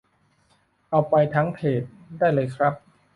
เอาไปทั้งเธรดได้เลยครับ